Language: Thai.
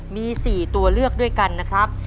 มี๔ตัวเลือกด้วยกันนะครับ